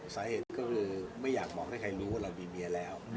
สาเหตุก็คือไม่อยากบอกให้ใครรู้ว่าเรามีเมียแล้ว